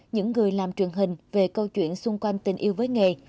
những người làm truyền hình về câu chuyện xung quanh tình yêu với nghề